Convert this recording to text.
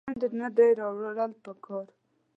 چې کور ته ګند نۀ دي راوړل پکار